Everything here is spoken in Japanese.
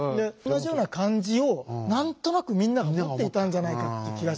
同じような感じを何となくみんなが持っていたんじゃないかっていう気がします。